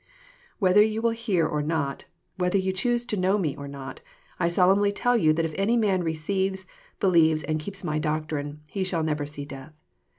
—Whether you wili hear or not, whether you choose to know Me or not, I solemnly tell you that if any man receives, believes, and keeps My doctrine, he shall never see death.